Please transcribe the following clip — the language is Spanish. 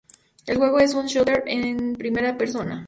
El juego es un "shooter" en primera persona.